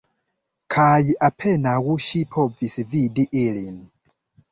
Kaj apenaŭ ŝi povis vidi ilin.